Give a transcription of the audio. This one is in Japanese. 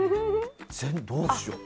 どうしよう。